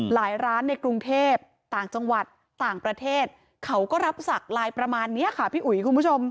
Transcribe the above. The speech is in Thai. ร้านในกรุงเทพต่างจังหวัดต่างประเทศเขาก็รับสักไลน์ประมาณนี้ค่ะพี่อุ๋ยคุณผู้ชม